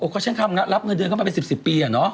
ก็ฉันทำรับเงินเดือนเข้ามาเป็น๑๐ปีอะเนาะ